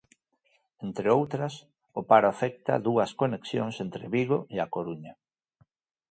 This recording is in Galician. Entre outras, o paro afecta dúas conexións entre Vigo e A Coruña.